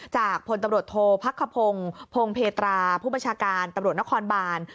พลตำรวจโทษพักขพงศ์พงเพตราผู้บัญชาการตำรวจนครบาน